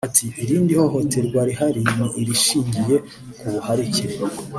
Ati “Irindi hohoterwa rihari ni irishingiye ku buharike